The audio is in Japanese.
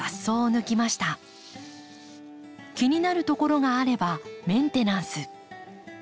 気になる所があればメンテナンス。